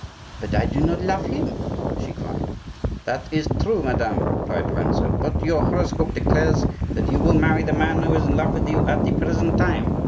"But I do not love him," she cried. "That is true, madame," replied Lorenzo; "but your horoscope declares that you will marry the man who is in love with you at the present time."